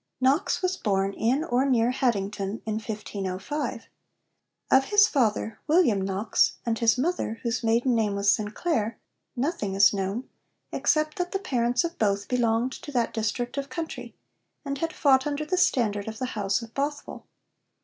Knox was born in or near Haddington in 1505. Of his father, William Knox, and his mother, whose maiden name was Sinclair, nothing is known, except that the parents of both belonged to that district of country, and had fought under the standard of the House of Bothwell.